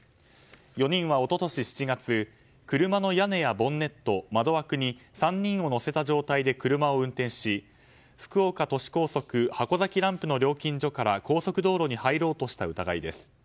４人は一昨年７月車の屋根やボンネット窓枠に３人を乗せた状態で車を運転し福岡都市高速箱崎ランプの料金所から高速道路に入ろうとした疑いです。